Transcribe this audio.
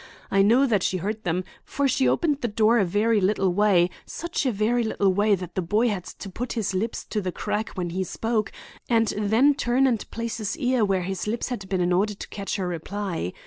I know that she heard them, for she opened the door a very little way,—such a very little way that the boy had to put his lips to the crack when he spoke, and then turn and place his ear where his lips had been in order to catch her reply.